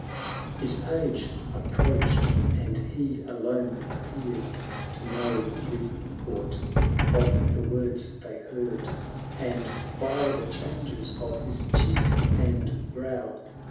XIV. His page approached, and he alone appeared To know the import of the words they heard; And, by the changes of his cheek and brow.